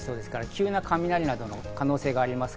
急な雷などの可能性があります。